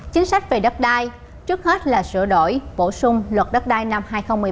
chính sách về đất đai trước hết là sửa đổi bổ sung luật đất đai năm hai nghìn một mươi bảy